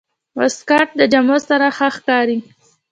واسکټ د جامو سره ښه ښکاري.